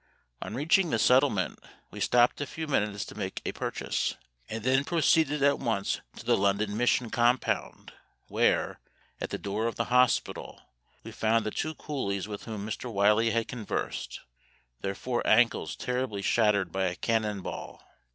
On reaching the Settlement we stopped a few minutes to make a purchase, and then proceeded at once to the London Mission compound, where, at the door of the hospital, we found the two poor coolies with whom Mr. Wylie had conversed, their four ankles terribly shattered by a cannon ball.